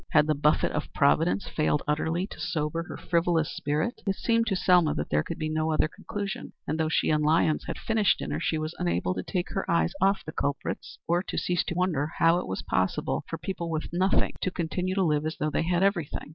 Had the buffet of Providence failed utterly to sober her frivolous spirit? It seemed to Selma that there could be no other conclusion, and though she and Lyons had finished dinner, she was unable to take her eyes off the culprits, or to cease to wonder how it was possible for people with nothing to continue to live as though they had everything.